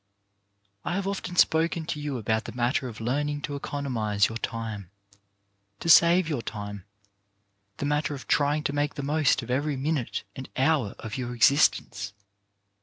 I have often spoken to you about the matter of learning to economize your time, to save your time, the matter of trying to make the most of every minute and hour of your existence.